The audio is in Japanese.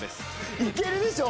いけるでしょ。